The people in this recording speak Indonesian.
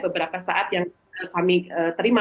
beberapa saat yang kami terima